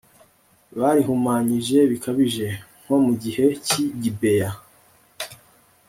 Barihumanyije bikabije, nko mu gihe cy’i Gibeya,